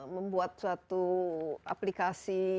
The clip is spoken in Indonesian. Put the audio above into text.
membuat suatu aplikasi